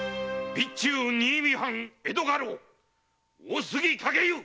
備中新見藩江戸家老・大杉勘解由！